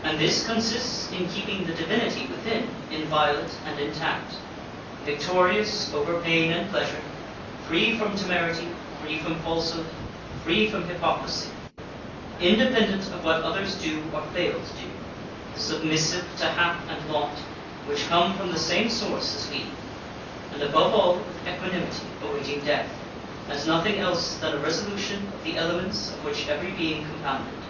And this consists in keeping the divinity within inviolate and intact; victorious over pain and pleasure; free from temerity, free from falsehood, free from hypocrisy; independent of what others do or fail to do; submissive to hap and lot, which come from the same source as we; and, above all, with equanimity awaiting death, as nothing else than a resolution of the elements of which every being compounded.